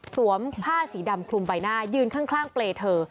ผ้าสีดำคลุมใบหน้ายืนข้างเปรย์เธอ